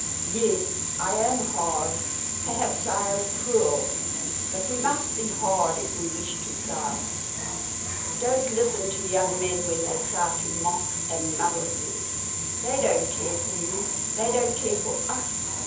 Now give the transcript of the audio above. "Yes, I am hard; perhaps I am cruel; but we must be hard if we wish to triumph. Don't listen to young men when they try to mock and muddle you. They don't care for you; they don't care for us.